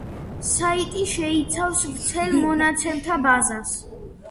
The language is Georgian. საიტი შეიცავს ვრცელ მონაცემთა ბაზას.